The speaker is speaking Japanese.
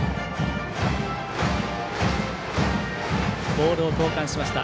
ボールを交換しました。